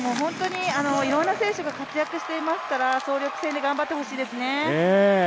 いろんな選手が活躍していますから総力戦で頑張ってほしいですね。